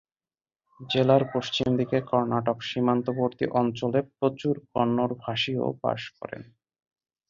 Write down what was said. জেলার পশ্চিম দিকে কর্ণাটক-সীমান্তবর্তী অঞ্চলে প্রচুর কন্নড়-ভাষীও বাস করেন।